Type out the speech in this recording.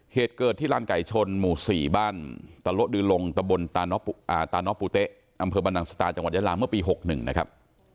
เหตุเกิดที่ลานไก่ชนหมู่๔บ้านตะโละดือลงตะบนตาน้อปูเต๊ะอำเภอบรรนังสตาจังหวัดยาลาเมื่อปี๖๑นะครับ